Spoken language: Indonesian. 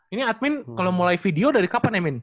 ini admin kalau mulai video dari kapan ya min